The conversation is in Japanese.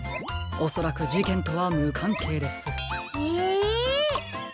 おそらくじけんとはむかんけいです。え。